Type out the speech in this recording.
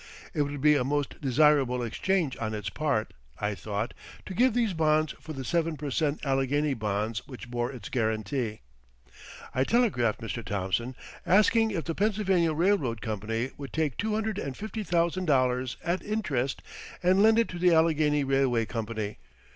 It would be a most desirable exchange on its part, I thought, to give these bonds for the seven per cent Allegheny bonds which bore its guarantee. I telegraphed Mr. Thomson, asking if the Pennsylvania Railroad Company would take two hundred and fifty thousand dollars at interest and lend it to the Allegheny Railway Company.